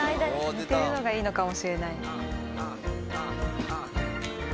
寝てるのがいいのかもしれない。